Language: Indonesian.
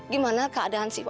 gimana keadaan si opi